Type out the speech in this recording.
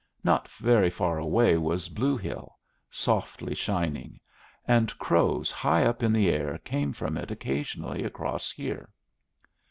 Not very far away was Blue Hill, softly shining; and crows high up in the air came from it occasionally across here.